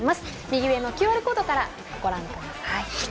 右上のＱＲコードからご覧ください。